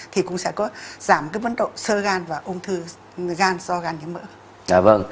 thì cũng sẽ giảm vấn đồng sơ gan và ung thư gan do gan nhiễm mỡ